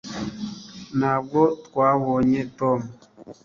ntabwo twabonye tom